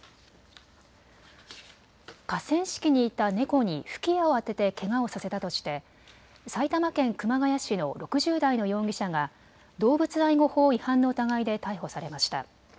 河川敷にいた猫に吹き矢を当ててけがをさせたとして埼玉県熊谷市の６０代の容疑者が動物愛護法違反の疑いで逮捕されました。